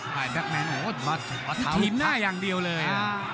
แบทแมงโอ้โหถิ่นหน้าอย่างเดียวเลยอ่า